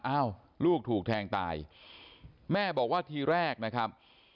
อ้าวลูกถูกแทงตายแม่บอกว่าทีแรกนะครับ